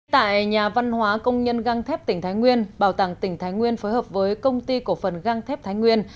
tại nhà văn hóa công nhân găng thép tỉnh thái nguyên bảo tàng tỉnh thái nguyên phối hợp với công ty cổ phần găng thép thái nguyên